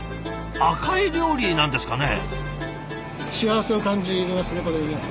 赤い料理なんですかね。